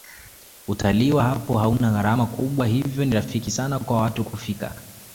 utalii wa hapo hauna gharama kubwa hivyo ni rafiki sana kwa watu kufika